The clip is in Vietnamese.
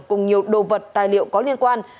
cùng nhiều đồ vật tài liệu có liên quan